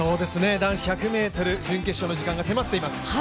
男子１００ｍ準決勝の時間が迫っています。